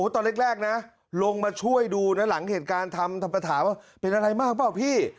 ตอนแรกนะลงมาช่วยดูนะหลังเหตุการณ์ทำประถามว่าเป็นอะไรมากเปล่าพี่